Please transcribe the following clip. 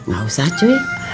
gak usah cuy